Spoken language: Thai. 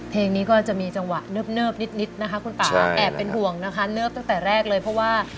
เพลงนี้ก็จะมีจังหวะเนิบนิดนะคะ